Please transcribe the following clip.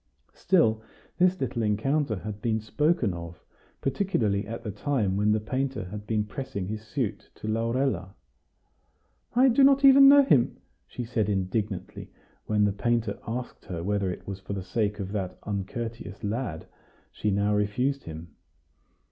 Still, this little encounter had been spoken of, particularly at the time when the painter had been pressing his suit to Laurella. "I do not even know him," she said indignantly, when the painter asked her whether it was for the sake of that uncourteous lad she now refused him.